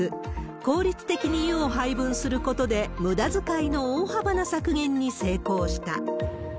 効率的に湯を配分することで、むだづかいの大幅な削減に成功した。